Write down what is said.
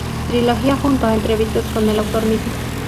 Trilogía junto a entrevistas con el autor mismo.